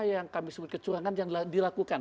yang kami sebut kecurangan yang dilakukan